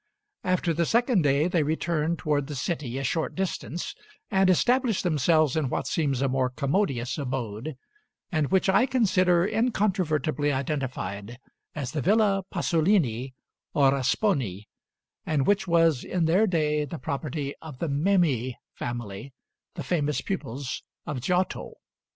After the second day they return towards the city a short distance and establish themselves in what seems a more commodious abode, and which I consider incontrovertibly identified as the Villa Pasolini, or Rasponi, and which was in their day the property of the Memmi family, the famous pupils of Giotto.